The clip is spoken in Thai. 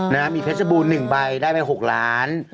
นะฮะมีเพชรบูร๑ใบได้ไป๖ล้าน